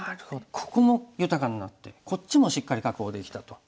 ここも豊かになってこっちもしっかり確保できたと。